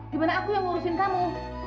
gimana aku yang ngurusin kamu